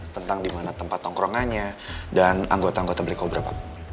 tentang dimana tempat tongkrongannya dan anggota anggota black cobra pak